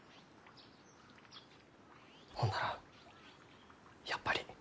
ほんならやっぱり。